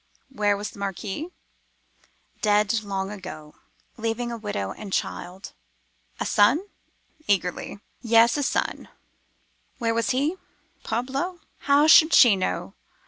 Where was the Marquis? Dead long ago, leaving a widow and child. A son? (eagerly). Yes, a son. Where was he? Parbleu! how should she know?